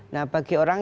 nah bagi orang